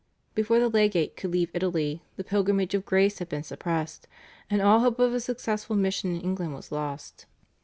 Before the legate could leave Italy the Pilgrimage of Grace had been suppressed, and all hope of a successful mission in England was lost.